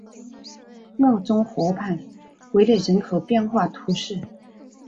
奥宗河畔维勒人口变化图示